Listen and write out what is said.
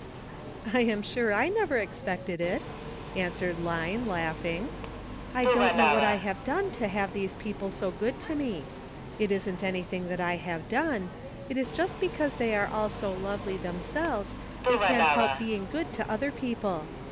''I am sure I never expected it," answered Line, laughing. "I don't know what I have done to have these people so good to me. It 322 ''LUCK.'' 323 isn't anything that I have done. It is just be cause they are all so lovely themselves they can't help being good to other people.